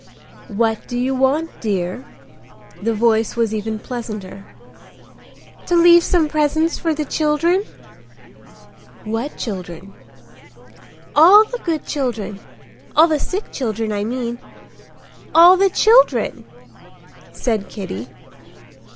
"What do you want, dear?" The voice was even pleasanter. "To leave some presents for the children." "What children?" "All the good children—all the sick children, I mean—all the children," said Kitty.